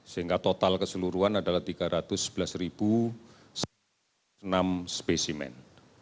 sehingga total keseluruhan adalah tiga ratus sebelas satu ratus enam puluh enam spesimen